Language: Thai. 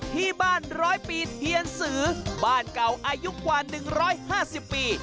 ที่บ้านร้อยปีเทียนสือบ้านเก่าอายุกว่า๑๕๐ปี